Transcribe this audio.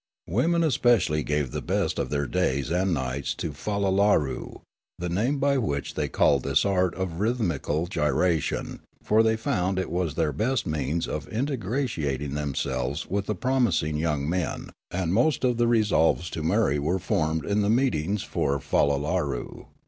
Women especially gave the best of their days and nights to " fallallaroo," the name by which they called this art of rhythmical gyration, for they found it was their best means of ingratiating themselves with the promising young men ; and most of the re solves to marry were formed in the meetings for 54 Riallaro fallallaroo.